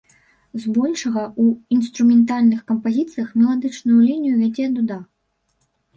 Збольшага ў інструментальных кампазіцыях меладычную лінію вядзе дуда.